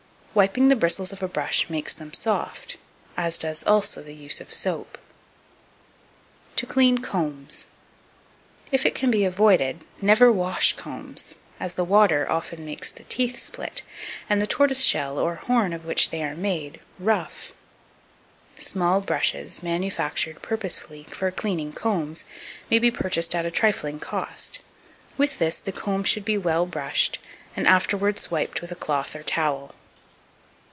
Wiping the bristles of a brush makes them soft, as does also the use of soap. To clean Combs. 2251. If it can be avoided, never wash combs, as the water often makes the teeth split, and the tortoiseshell or horn of which they are made, rough. Small brushes, manufactured purposely for cleaning combs, may be purchased at a trifling cost: with this the comb should be well brushed, and afterwards wiped with a cloth or towel.